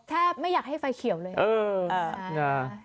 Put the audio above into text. ไม่อยากให้ไฟเขียวเลย